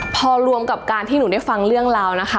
พอรวมกับการที่หนูได้ฟังเรื่องราวนะคะ